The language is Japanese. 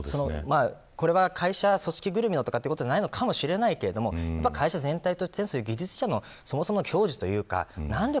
これは会社、組織ぐるみということではないかもしれないけど会社全体にとっては技術者のそもそも矜持というかな